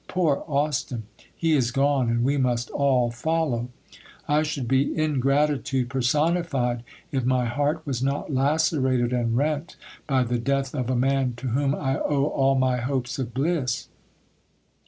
Poor Austin ! He is gone, and we must all follow ! I should be ingratitude personified, if my heart was not lacerated and rent by the death of a man to whom I owe all my hopes of bliss.